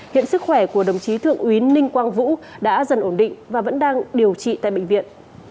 hiện sức khỏe của đồng chí thượng úy ninh quang vũ đã dần ổn định và vẫn đang điều trị tại bệnh viện